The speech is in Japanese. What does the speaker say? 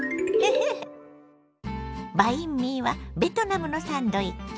バインミーはベトナムのサンドイッチ。